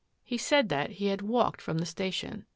He said that he had walked from the station.